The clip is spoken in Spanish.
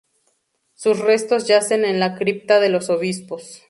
Sus restos yacen en la cripta de los Obispos.